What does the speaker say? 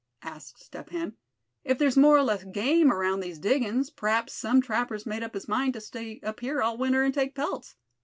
asked Step Hen. "If there's more or less game around these diggings p'raps some trapper's made up his mind to stay up here all winter, and take pelts.